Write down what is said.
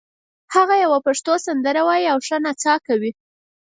هغه یوه پښتو سندره وایي او ښه نڅا کوي